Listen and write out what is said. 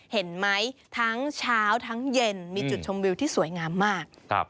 เห็นไหมทั้งเช้าทั้งเย็นมีจุดชมวิวที่สวยงามมาก